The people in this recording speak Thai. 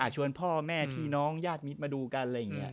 ชวนพ่อแม่พี่น้องญาติมิตรมาดูกัน